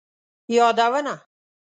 یادونه: